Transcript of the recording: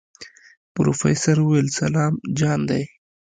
پروفيسر وويل سلام جان دی.